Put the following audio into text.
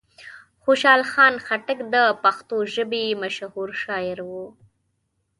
خوشحال خان خټک د پښتو ژبې مشهور شاعر و.